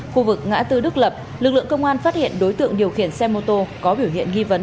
khu vực ngã tư đức lập lực lượng công an phát hiện đối tượng điều khiển xe mô tô có biểu hiện nghi vấn